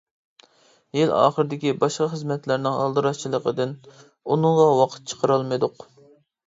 يىل ئاخىرىدىكى باشقا خىزمەتلەرنىڭ ئالدىراشچىلىقىدىن ئۇنىڭغا ۋاقىت چىقىرالمىدۇق.